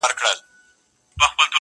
o چي نه ځني خلاصېږې، په بړ بړ پر ورځه.